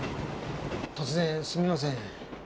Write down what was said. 突然すみません。